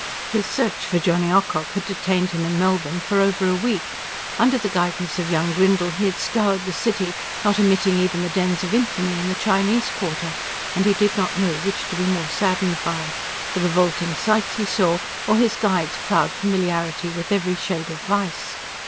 His search for Johnny Ocock had detained him in Melbourne for over a week. Under the guidance of young Grindle he had scoured the city, not omitting even the dens of infamy in the Chinese quarter; and he did not know which to be more saddened by: the revolting sights he saw, or his guide's proud familiarity with every shade of vice.